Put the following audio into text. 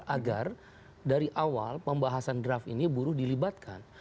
agar dari awal pembahasan draft ini buruh dilibatkan